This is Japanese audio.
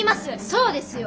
そうですよ！